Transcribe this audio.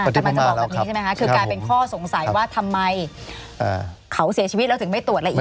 กำลังจะบอกแบบนี้ใช่ไหมคะคือกลายเป็นข้อสงสัยว่าทำไมเขาเสียชีวิตแล้วถึงไม่ตรวจละเอียด